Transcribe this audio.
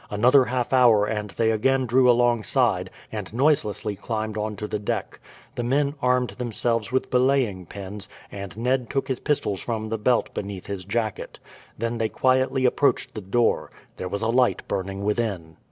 Another half hour and they again drew alongside, and noiselessly climbed on to the deck. The men armed themselves with belaying pins, and Ned took his pistols from the belt beneath his jacket. Then they quietly approached the door. There was a light burning within.